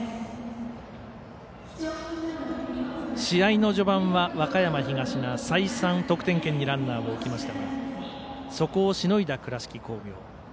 試合の序盤は和歌山東が再三、得点圏にランナーを置きましたがそこをしのいだ倉敷工業。